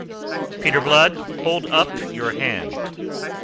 "Peter Blood, hold up your hand!"